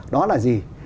đó là gì